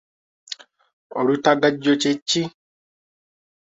Olutagajjo kye ki?